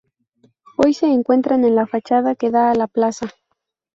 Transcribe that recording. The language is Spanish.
Hoy se encuentran en la fachada que da a la plaza.